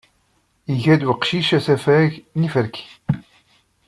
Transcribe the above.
Iga-d uqcic asafag n yiferki.